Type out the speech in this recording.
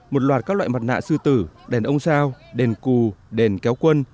một loạt các loại mặt nạ sư tử đèn ông sao đền cù đèn kéo quân